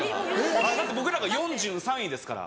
だって僕らが４３位ですから。